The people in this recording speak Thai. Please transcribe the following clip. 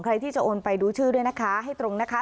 ใครที่จะโอนไปดูชื่อด้วยนะคะให้ตรงนะคะ